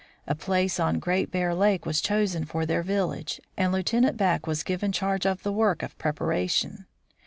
A place on Great Bear lake was chosen for their village, and Lieutenant Back was given charge of the work of prepa ration.